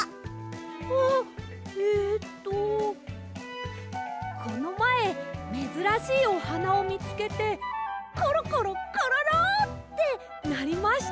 あえっとこのまえめずらしいおはなをみつけてコロコロコロロ！ってなりました。